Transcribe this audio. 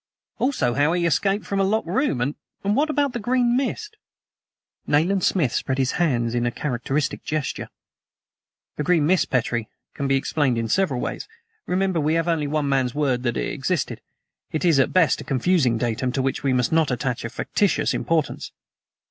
"Also, how he escaped from a locked room. And what about the green mist?" Nayland Smith spread his hands in a characteristic gesture. "The green mist, Petrie, can be explained in several ways. Remember, we have only one man's word that it existed. It is at best a confusing datum to which we must not attach a factitious importance."